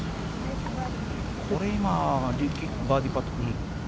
これ今、バーディーパット。